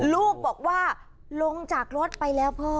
ลูกบอกว่าลงจากรถไปแล้วพ่อ